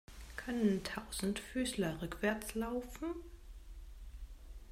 Können Tausendfüßler rückwärts laufen?